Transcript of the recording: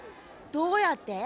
どうやって？